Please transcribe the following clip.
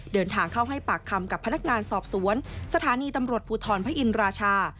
เดินทางเข้าให้ปากคำกับพนักงานสอบสวนสถานีตำรวจภูทรพระอินราชา